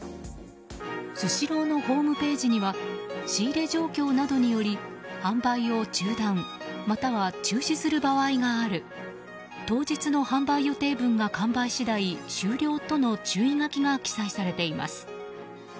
スシローのホームページには仕入れ状況などにより販売を中断または中止する場合がある当日の販売予定分が完売次第終了との注意書きが記載されています。